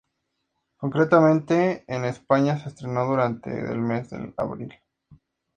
Concretamente, en España se estrenó durante del mes de abril.